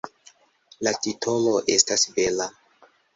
La titolo estas bela.